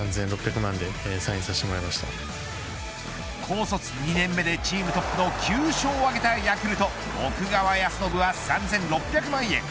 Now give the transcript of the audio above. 高卒２年目でチームトップの９勝を挙げたヤクルト奥川恭伸は３６００万円。